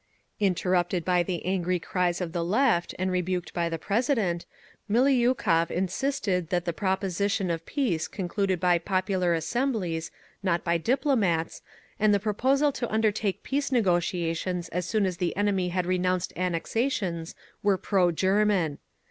Interrupted by the angry cries of the Left, and rebuked by the President, Miliukov insisted that the proposition of peace concluded by popular assemblies, not by diplomats, and the proposal to undertake peace negotiations as soon as the enemy had renounced annexations, were pro German.